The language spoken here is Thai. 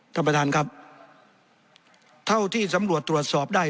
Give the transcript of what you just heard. ท่านประธานครับเท่าที่สำรวจตรวจสอบได้